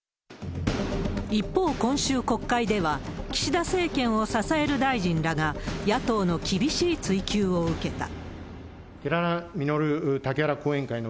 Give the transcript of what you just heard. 一方、今週、国会では、岸田政権を支える大臣らが、野党の厳しい追及を受けた。